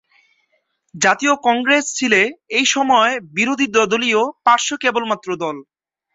জাতীয় কংগ্রেস ছিলে এইসময় বিরোধীদলীয় পার্শ্ব কেবলমাত্র দল।